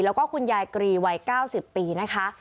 แล้วก็คุณยายกรีวัย๙๐ปีนะคะ